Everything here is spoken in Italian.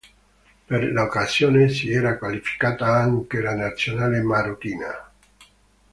Per l'occasione si era qualificata anche la nazionale marocchina.